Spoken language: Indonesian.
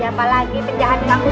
siapa lagi penjahat kaku ini